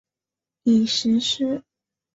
已实施。